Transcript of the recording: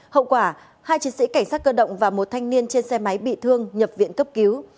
hậu quả hai chiến sĩ cảnh sát cơ động và một thanh niên trên xe máy bị thương nhập viện cấp cứu